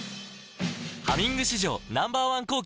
「ハミング」史上Ｎｏ．１抗菌